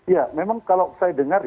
ya memang kalau saya dengar